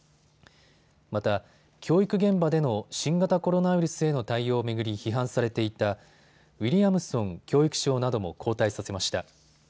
また、教育現場での新型コロナウイルスへの対応を巡り批判されていたウィリアムソン教育相なども交代させました。